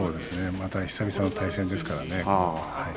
また久々の対戦ですからね。